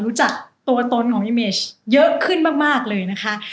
รู้จักตัวตนของอีเมจเยอะขึ้นมากเลยนะคะ